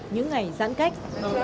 những ngày giãn cách